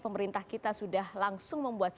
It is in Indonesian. pemerintah kita sudah langsung membuat